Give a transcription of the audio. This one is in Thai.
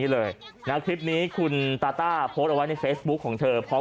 ลองไปมาบ้างไงแล้วเนี่ยนะ